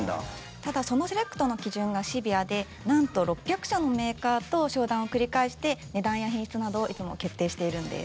ただそのセレクトの基準がシビアでなんと６００社のメーカーと商談を繰り返して値段や品質などをいつも決定しているんです。